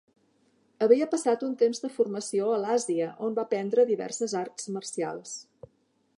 Havia passat un temps de formació a l'Àsia, on va aprendre diverses arts marcials.